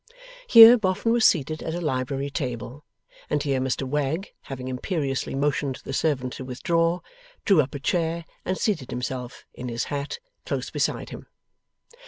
Here, Boffin was seated at a library table, and here Mr Wegg, having imperiously motioned the servant to withdraw, drew up a chair and seated himself, in his hat, close beside him.